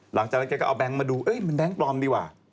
หลังจากนั้นแกก็เอาแก๊งมาดูมันแบงค์ปลอมดีกว่า